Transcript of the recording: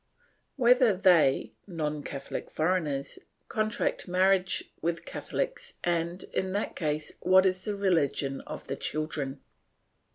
Whether they (non CathoUc foreigners) contract marriage with Catholics and, in that case, what is the religion of the children?